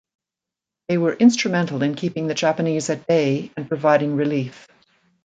They were instrumental in keeping the Japanese at bay and providing relief.